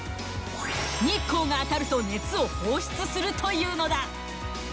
日光が当たると熱を放出するというのだ。